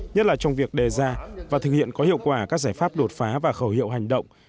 nhất là trong việc đề ra và thực hiện có hiệu quả các giải pháp đột phá và khẩu hiệu hành động